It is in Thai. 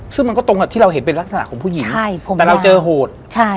ซึ่งมันก็ตรงกับที่เราเห็นเป็นลักษณะของผู้หญิงแต่เราเจอโหดใช่